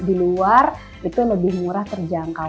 di luar itu lebih murah terjangkau